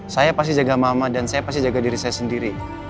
saya pasti jaga mama dan saya pasti jaga diri saya sendiri